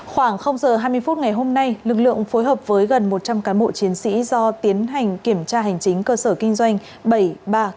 khoảng giờ hai mươi phút ngày hôm nay lực lượng phối hợp với gần một trăm linh cán bộ chiến sĩ do tiến hành kiểm tra hành chính cơ sở kinh doanh bảy ba